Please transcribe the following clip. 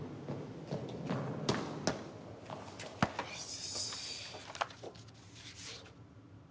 よし。